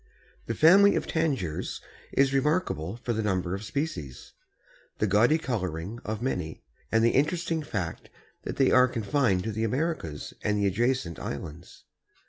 _) The family of Tanagers is remarkable for the number of species, the gaudy coloring of many and the interesting fact that they are confined to the Americas and the adjacent islands.